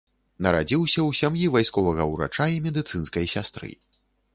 Нарадзіўся ў сям'і вайсковага ўрача і медыцынскай сястры.